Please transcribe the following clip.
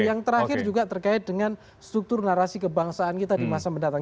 yang terakhir juga terkait dengan struktur narasi kebangsaan kita di masa mendatang